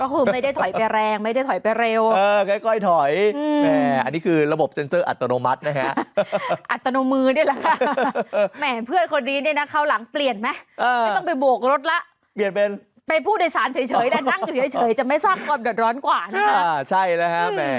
คือไม่ได้ถอยไปแรงไม่ได้ถอยไปเร็วเออค่อยถอยแหม